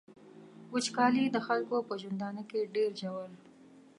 وچکالي د خلکو په ژوندانه کي ډیر ژور.